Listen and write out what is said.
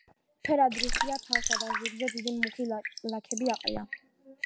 ფერად რუხია, თავსა და ზურგზე დიდი მუქი ლაქები აყრია.